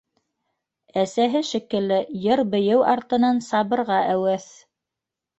Әсәһе шикелле йыр- бейеү артынан сабырға әүәҫ.